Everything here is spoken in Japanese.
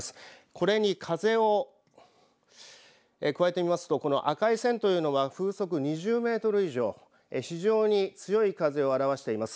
これに風を加えてみますと、この赤い線というのが風速２０メートル以上非常に強い風を表しています。